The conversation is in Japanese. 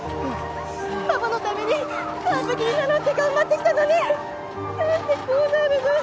パパのために完璧になろうって頑張ってきたのに何でこうなるの。